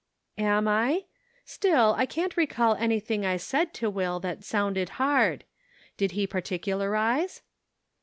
" Am I ? Still, I can't recall anything I said to Will that sounded hard. Did he particu larize